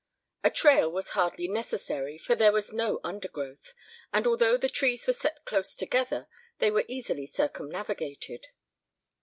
A trail was hardly necessary for there was no undergrowth, and although the trees were set close together they were easily circumnavigated.